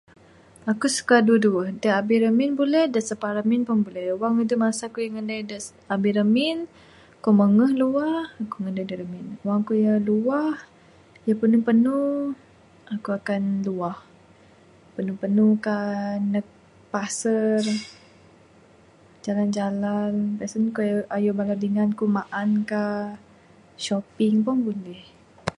Akuk suka duwud-duwuh. Dak abih ramin buleh, dak sapa ramin pun buleh. Wang aduh masa kuk ngandai da abih ramin, ku manguh luah. Kuk ngadai da ramin. Wang kuk irak luah, rak panu-panu, akuk akan luah. Panu-panu ka ndeg pasar. Jalan-jalan asung ku ayo bala dingan kuk maan kah. Shopping pun buleh.